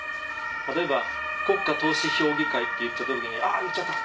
例えば「国家とうし評議会」って言っちゃった時に「あぁ言っちゃった」。